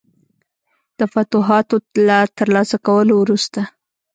د فتوحاتو له ترلاسه کولو وروسته.